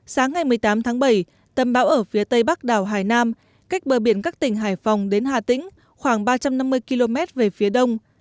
sáng ngày một mươi tám tháng bảy tâm bão ở phía tây bắc đảo hải nam cách bờ biển các tỉnh hải phòng đến hà tĩnh khoảng ba trăm năm mươi km về phía đông